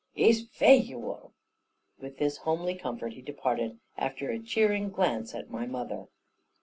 Ee's fai ye wull." With this homely comfort he departed, after a cheering glance at my mother.